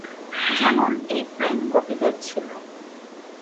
যেমন, এই প্রেম গোপীদের ছিল।